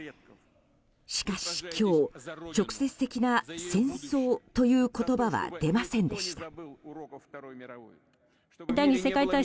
しかし今日、直接的な戦争という言葉は出ませんでした。